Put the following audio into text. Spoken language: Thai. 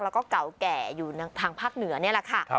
แล้วก็เก่าแก่อยู่ทางภาคเหนือนี่แหละค่ะ